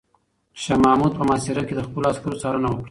شاه محمود په محاصره کې د خپلو عسکرو څارنه وکړه.